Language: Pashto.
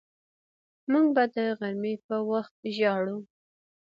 موږ به د غرمې په وخت ژاړو